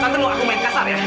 tante mau aku main kasar ya